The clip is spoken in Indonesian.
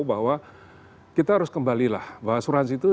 bahwa kita harus kembalilah bahwa suransi